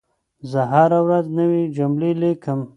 زه هره ورځ نوي جملې لیکم.